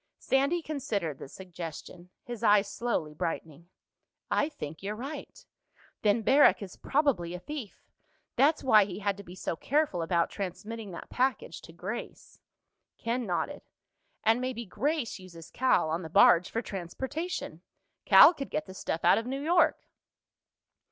Sandy considered the suggestion, his eyes slowly brightening. "I think you're right. Then Barrack is probably a thief. That's why he had to be so careful about transmitting that package to Grace." Ken nodded. "And maybe Grace uses Cal, on the barge, for transportation. Cal could get the stuff out of New York."